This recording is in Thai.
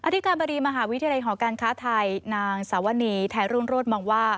อธิฆ์การบริมหาวิทยาลัยหอการค้าไทน์นาอร์ธอนีแทนรุนโรธมองว่า